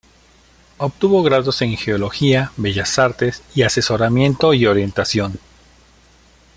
Obtuvo grados en geología, bellas artes y asesoramiento y orientación.